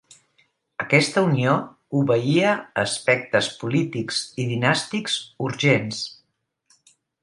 Aquesta unió obeïa a aspectes polítics i dinàstics urgents.